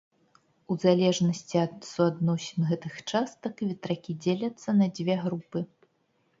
У залежнасці ад суадносін гэтых частак ветракі дзеляцца на дзве групы.